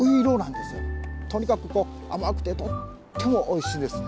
とにかく甘くてとってもおいしいんです。